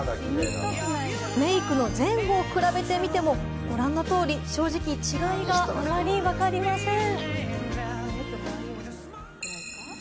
メイクの前後を比べてみても、ご覧の通り、正直、違いがあまりわかりません。